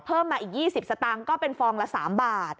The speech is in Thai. มาอีก๒๐สตางค์ก็เป็นฟองละ๓บาท